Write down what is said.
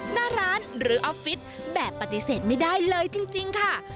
หน้าร้านหรือออฟฟิศแบบปฏิเสธไม่ได้เลยจริงค่ะ